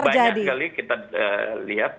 banyak kali kita lihat